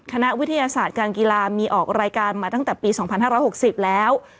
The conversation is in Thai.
คณะวิทยาศาสตร์การกีฬามีออกรายการมาตั้งแต่ปี๒๕๖๐แล้ว